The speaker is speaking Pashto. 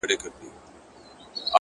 ژوند ټوله پند دی _